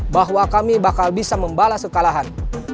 bahwa kami bakal bisa membalas kekalahan